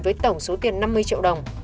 với tổng số tiền năm mươi triệu đồng